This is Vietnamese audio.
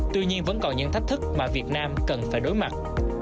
tuy nhiên vẫn còn những thách thức mà việt nam cần phải đối mặt